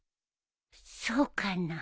そうかな。